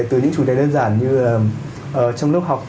từ những chủ đề đơn giản như là trong lớp học